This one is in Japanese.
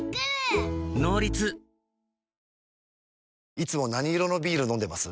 いつも何色のビール飲んでます？